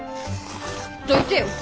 どいてよ！